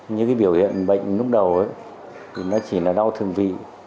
như cái biểu hiện bệnh lúc đầu ấy nó chỉ là đau thương vị